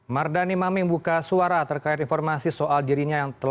mardani maming buka suara terkait informasi soal diri